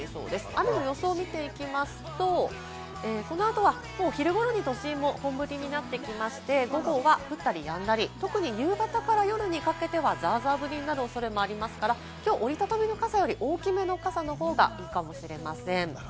雨の予想を見ていきますと、昼間にも本降りになってきて、午後は降ったりやんだり、特に夜にかけてザーザー降りになる予想ですから、きょう折り畳みの傘より大きめの傘の方がいいかもしれません。